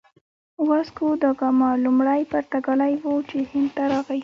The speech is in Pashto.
واسکوداګاما لومړی پرتګالی و چې هند ته راغی.